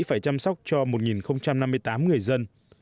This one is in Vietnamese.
phải chăm sóc cho một năm mươi tám người dân